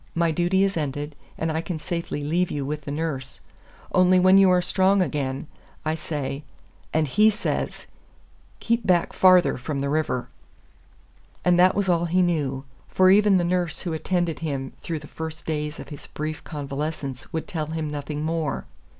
My duty is ended, and I can safely leave you with the nurse. Only when you are strong again, I say and HE says keep back farther from the river." And that was all he knew. For even the nurse who attended him through the first days of his brief convalescence would tell him nothing more.